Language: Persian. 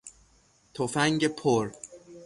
تفنگ پر